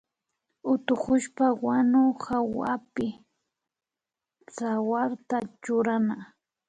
Utukushpa wanu hawapi tsawarta churana